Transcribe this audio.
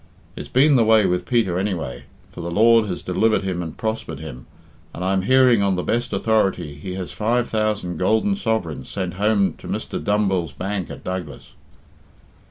It's been the way with Peter anyway, for the Lord has delivered him and prospered him, and I'm hearing on the best authority he has five thousand golden sovereigns sent home to Mr. Dumbell's bank at Douglas."